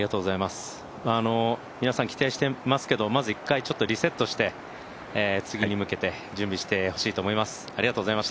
皆さん期待していますけれども一回きちんとリセットして、次に向けて準備してほしいと思います。